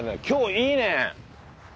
今日いいね。